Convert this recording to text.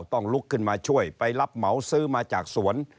ต้องลุกขึ้นมาช่วยไปรับเหมาซื้อมาจากสวน